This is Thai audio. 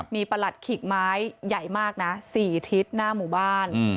มีประหลัดขีกไม้ใหญ่มากนะ๔ทิศหน้าหมู่บ้าน